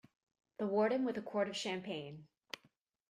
The Warden with a quart of champagne.